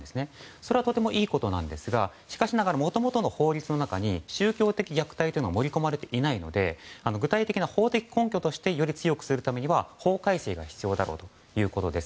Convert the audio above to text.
それはとてもいいことですがしかし、もともとの法律の中に宗教的虐待は盛り込まれていないので具体的な法的根拠としてより強くするためには法改正が必要だろうということです。